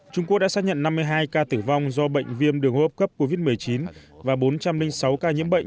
trung quốc đã xác nhận năm mươi hai ca tử vong do bệnh viêm đường hô hấp cấp covid một mươi chín và bốn trăm linh sáu ca nhiễm bệnh